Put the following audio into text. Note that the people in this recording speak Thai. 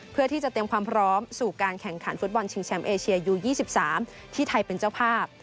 เพื่อที่จะเตรียมความพร้อมสู่การแข่งขันฟุตบอลชิงแชมป์เอเชียยู๒๓ที่ไทยเป็นเจ้าภาพ